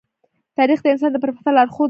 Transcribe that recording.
تاریخ د انسان د پرمختګ لارښود دی.